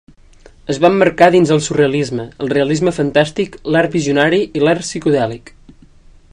Es va emmarcar dins el surrealisme, el realisme fantàstic, l'art visionari i l'art psicodèlic.